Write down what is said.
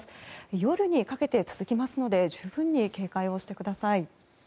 夜にかけて続きますので十分に警戒してください。